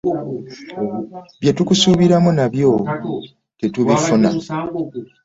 Bye tukusuubiramu nabyo tetubifuna.